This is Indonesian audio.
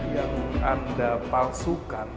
yang anda palsu